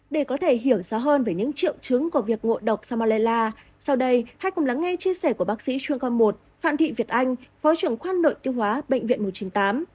để có thể hiểu rõ hơn về những triệu chứng của việc ngộ độc samolella sau đây hãy cùng lắng nghe chia sẻ của bác sĩ chuyên khoa một phạm thị việt anh phó trưởng khoa nội tiêu hóa bệnh viện một trăm chín mươi tám